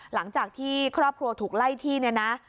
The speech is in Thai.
หลังจากที่ครอบครัวถูกไล่ที่เนี่ยนะ